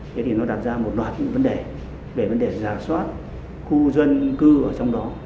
thế thì nó đặt ra một loạt những vấn đề về vấn đề giả soát khu dân cư ở trong đó